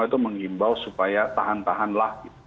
itu mengimbau supaya tahan tahan lah